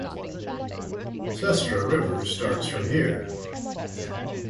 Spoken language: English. Sestra River starts from here.